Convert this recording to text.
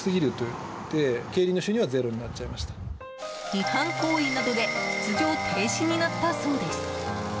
違反行為などで出場停止になったそうです。